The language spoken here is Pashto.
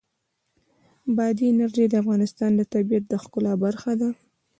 بادي انرژي د افغانستان د طبیعت د ښکلا برخه ده.